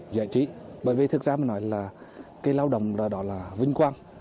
và cái lao động đó là vinh quang